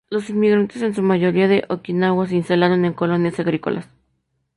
Los inmigrantes, en su mayoría de Okinawa, se instalaron en colonias agrícolas.